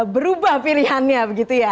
berubah pilihannya begitu ya